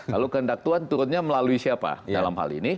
lalu kehendak tuhan turunnya melalui siapa dalam hal ini